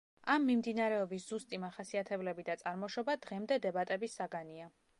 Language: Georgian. ამ მიმდინარეობის ზუსტი მახასიათებლები და წარმოშობა დღემდე დებატების საგანია.